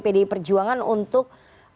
pd perjuangan untuk